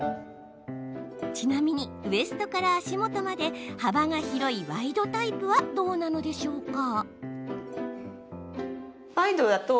ちなみにウエストから足元まで幅が広いワイドタイプはどうなのでしょうか。